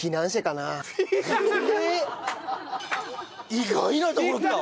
意外なところきた！